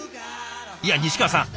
いや西川さん